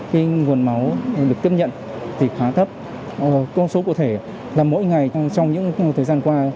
cái nguồn máu được tiếp nhận thì khá thấp con số cụ thể là mỗi ngày trong những thời gian qua